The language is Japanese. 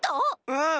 うん。